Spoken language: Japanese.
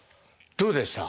どうでした？